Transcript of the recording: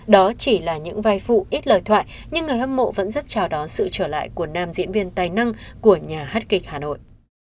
đó chỉ là những vai phụ ít lời thoại nhưng người hâm mộ vẫn rất chào đón sự trở lại của nam diễn viên tài năng của nhà hát kịch hà nội